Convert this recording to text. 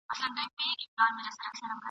او پسه یې له آزاره وي ژغورلی !.